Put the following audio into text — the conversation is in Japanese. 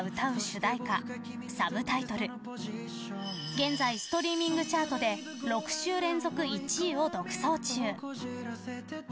現在、ストリーミングチャートで６週連続１位を独走中。